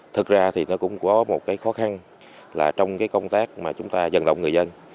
thực ra thì nó cũng có một cái khó khăn là trong cái công tác mà chúng ta dần động người dân